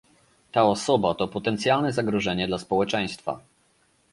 Ta osoba to potencjalne zagrożenie dla społeczeństwa